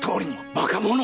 バカ者！